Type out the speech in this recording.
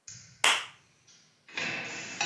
安徽歙县人。